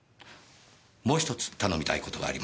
もう１つ頼みたい事があります。